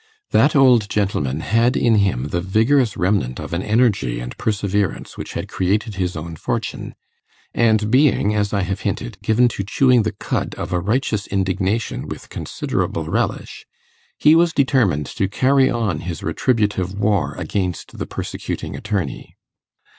That old gentleman had in him the vigorous remnant of an energy and perseverance which had created his own fortune; and being, as I have hinted, given to chewing the cud of a righteous indignation with considerable relish, he was determined to carry on his retributive war against the persecuting attorney.